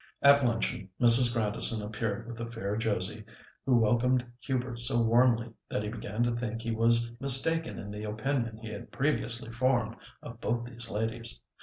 At luncheon Mrs. Grandison appeared with the fair Josie, who welcomed Hubert so warmly that he began to think that he was mistaken in the opinion he had previously formed of both these ladies.